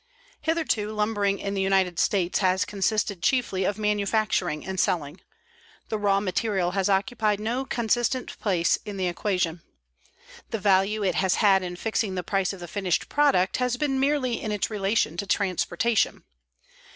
Hitherto lumbering in the United States has consisted chiefly of manufacturing and selling. The raw material has occupied no consistent place in the equation. The value it has had in fixing the price of the finished product has been merely in its relation to transportation.